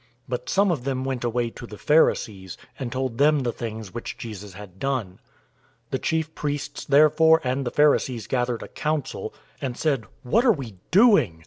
011:046 But some of them went away to the Pharisees, and told them the things which Jesus had done. 011:047 The chief priests therefore and the Pharisees gathered a council, and said, "What are we doing?